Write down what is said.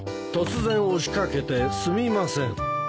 突然押し掛けてすみません。